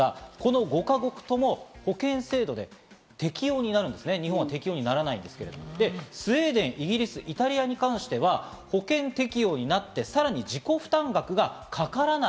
５か国とも保険制度で適用になるんですね、日本はならないんですが、スウェーデン、イギリス、イタリアに関しては保険適用になってさらに自己負担額がかからない。